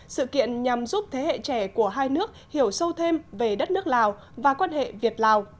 sự kiện nhằm giúp thế hệ trẻ của hai nước hiểu sâu thêm về đất nước lào và quan hệ việt lào